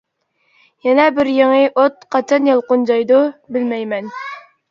يەنە بىر يېڭى ئوت قاچان يالقۇنجايدۇ، بىلمەيمەن.